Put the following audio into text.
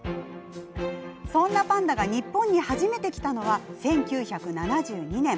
そんなパンダが日本に初めて来たのは１９７２年。